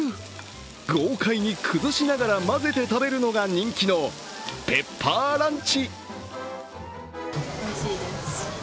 豪快に崩しながら混ぜて食べるのが人気のペッパーランチ。